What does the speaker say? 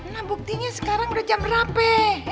nah buktinya sekarang udah jam rampe